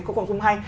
có cảm xúc hay